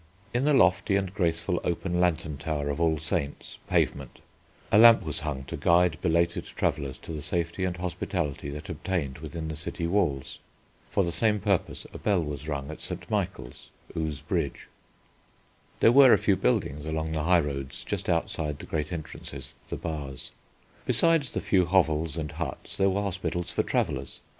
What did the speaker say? In the lofty and graceful open lantern tower of All Saints, Pavement, a lamp was hung to guide belated travellers to the safety and hospitality that obtained within the city walls. For the same purpose a bell was rung at St. Michael's, Ouse Bridge. There were a few buildings along the high roads just outside the great entrances, the Bars. Besides the few hovels and huts there were hospitals for travellers.